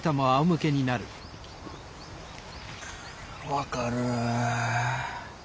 分かる。